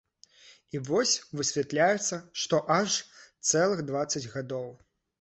І вось высвятляецца, што аж цэлых дваццаць гадоў!